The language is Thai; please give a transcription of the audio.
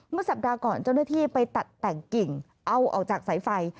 เมื่อสัปดาห์ก่อนเจ้าหน้าที่ไปตัดแต่งกิ่งเอาออกจากสายไฟ